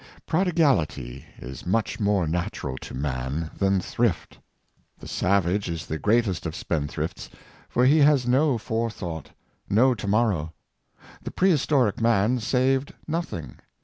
Prodigality is much more natural to man than thrift. The savage is the greatest of spendthrifts, for he has no forethought, no to morrow. The prehistoric man saved nothing.